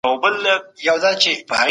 د علم ارزښت په اسلام کي ډېر دی.